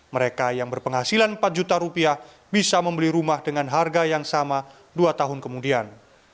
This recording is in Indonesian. mereka yang berpenghasilan empat juta rupiah bisa membeli rumah dengan harga yang sama dua tahun kemudian